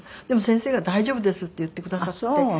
でも先生が「大丈夫です」って言ってくださって。